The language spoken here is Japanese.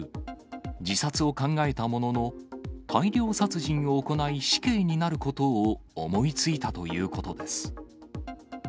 自殺を考えたものの、大量殺人を行い、死刑になることを思いついたということです。